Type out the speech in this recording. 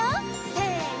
せの！